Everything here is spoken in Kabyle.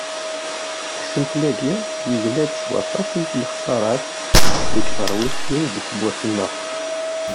Asentel-agi, yegla-d s waṭas n lexsarat deg terwiḥin di tmurt-nneɣ.